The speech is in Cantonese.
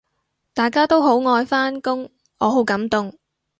大家都好愛返工，我好感動